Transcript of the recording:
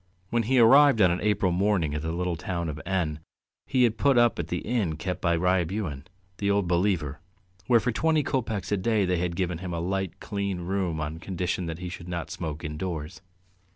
When he arrived on an April morning at the little town of N he had put up at the inn kept by Ryabuhin, the Old Believer, where for twenty kopecks a day they had given him a light, clean room on condition that he should not smoke indoors.